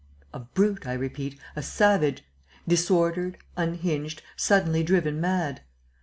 "A brute, I repeat, a savage; disordered, unhinged, suddenly driven mad.